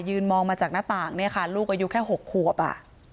มองมาจากหน้าต่างเนี่ยค่ะลูกอายุแค่๖ขวบอ่ะ